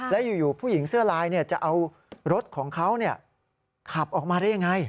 แล้วอยู่ผู้หญิงเสื้อลายจะเอารถของเขาขับออกมาได้ยังไง